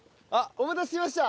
お待たせしました。